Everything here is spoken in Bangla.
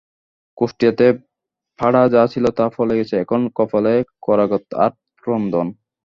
কুষ্ঠিতে ফাঁড়া যা ছিল তা ফলে গেছে, এখন কপালে করাঘাত আর ক্রন্দন।